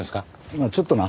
まあちょっとな。